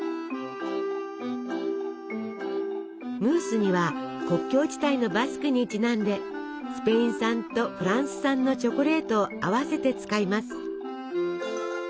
ムースには国境地帯のバスクにちなんでスペイン産とフランス産のチョコレートを合わせて使います。